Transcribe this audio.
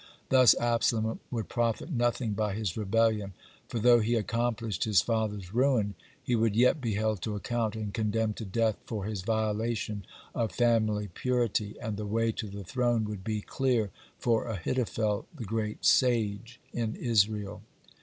Thus Absalom would profit nothing by his rebellion, for, though he accomplished his father's ruin, he would yet be held to account and condemned to death for his violation of family purity, and the way to the throne would be clear for Ahithophel, the great sage in Israel.